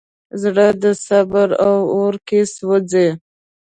زړه د صبر په اور کې سوځي.